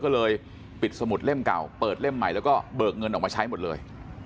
ก็เลยปิดสมุดเล่มเก่าเปิดเล่มใหม่แล้วก็เบิกเงินออกมาใช้หมดเลย